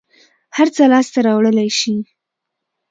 هر څه لاس ته راوړلى شې.